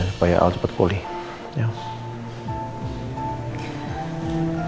supaya al cepet cepet berjalan ke rumah